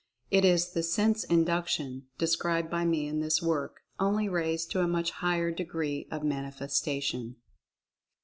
It is the Sense Induction, described by me in this work, only raised to a much higher degree of manifestation.